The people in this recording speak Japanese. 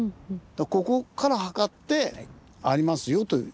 ここから測ってありますよと。